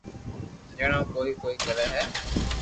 جڻي او ڪوئي ڪوئي ڪري ھي